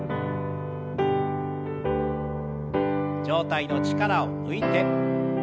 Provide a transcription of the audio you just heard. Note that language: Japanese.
上体の力を抜いて。